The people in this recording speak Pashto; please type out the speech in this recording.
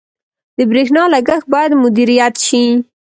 • د برېښنا لګښت باید مدیریت شي.